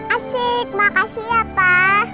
asik makasih ya pak